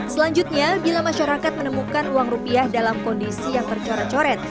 selanjutnya bila masyarakat menemukan uang rupiah dalam kondisi yang tercoret coret